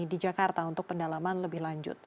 di jakarta untuk pendalaman lebih lanjut